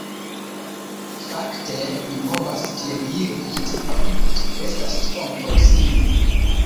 Fakte mi povas piediri tien, ĝi estas tiom proksime.